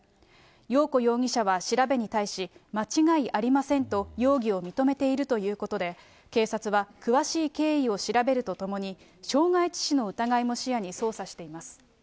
ようこ容疑者は調べに対し、間違いありませんと、容疑を認めているということで、警察は、詳しい経緯を調べるとともに、傷害致死の疑いも視野に捜査しています。